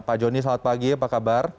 pak joni selamat pagi apa kabar